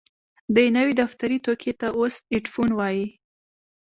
دې نوي دفتري توکي ته اوس ايډيفون وايي.